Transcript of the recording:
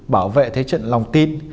bảo vệ thế trận lòng tin